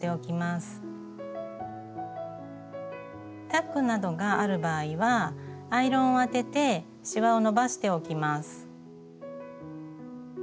タックなどがある場合はアイロンを当ててしわを伸ばしておきます。